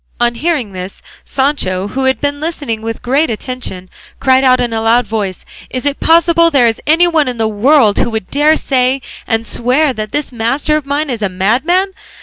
On hearing this Sancho, who had been listening with great attention, cried out in a loud voice, "Is it possible there is anyone in the world who will dare to say and swear that this master of mine is a madman?